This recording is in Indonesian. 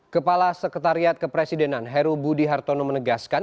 kepala sekretariat kepresidenan heru budi hartono menegaskan